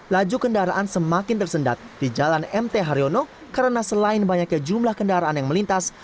laju kendaraan semakin tersendat di jalan mt haryono karena selain banyaknya jumlah kendaraan yang melintas